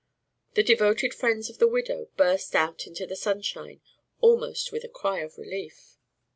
The devoted friends of the widow burst out into the sunshine almost with a cry of relief.